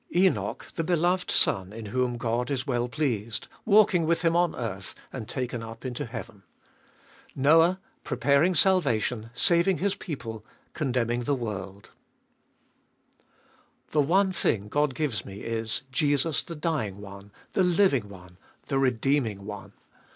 Enoch : the beloved son, in whom God is well pleased, walking with Him on earth, and taken up into heaven. Noah : preparing salvation, saving His people, condemning the world. 2. The one thing God gives me is, Jesus the dying One, the living One, the redeeming One.